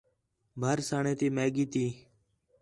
بھرسݨ تی میگی تی